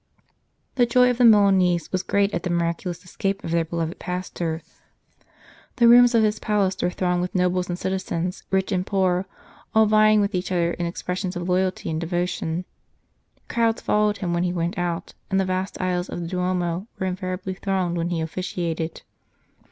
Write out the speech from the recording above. The joy of the Milanese was great at the miracu lous escape of their beloved pastor, the rooms of his palace were thronged with nobles and citizens, rich and poor, all vieing with each other in expressions of loyalty and devotion. Crowds followed him when he went out, and the vast aisles of the Duomo were invariably thronged when he officiated.